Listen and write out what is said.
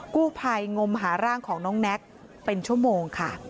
กู้ภัยงมหาร่างของน้องแน็กเป็นชั่วโมงค่ะ